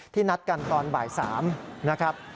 นัดกันตอนบ่าย๓นะครับ